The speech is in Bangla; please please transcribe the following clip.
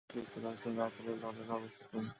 যা যুক্তরাজ্যের রাজধানী লন্ডনে অবস্থিত।